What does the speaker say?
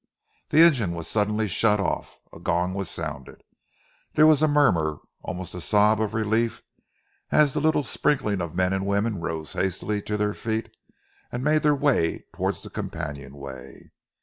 The engine was suddenly shut off. A gong was sounded. There was a murmur, almost a sob of relief, as the little sprinkling of men and women rose hastily to their feet and made their way towards the companion way.